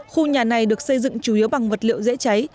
khu nhà này được xây dựng chủ yếu bằng vật liệu dễ cháy